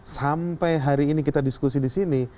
sampai hari ini kita diskusi disini